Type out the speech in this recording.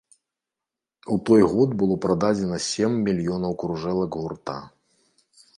У той год было прададзена сем мільёнаў кружэлак гурта.